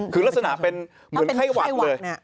คือลักษณะเป็นเหมือนไข้หวัดเลย